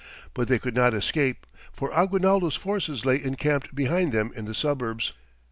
But they could not escape, for Aguinaldo's forces lay encamped behind them in the suburbs.